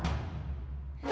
berani kamu ngaw rapur aku